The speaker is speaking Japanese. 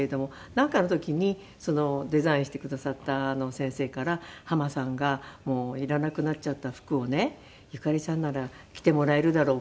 なんかの時にデザインしてくださった先生から「浜さんがもういらなくなっちゃった服をねゆかりさんなら着てもらえるだろうか」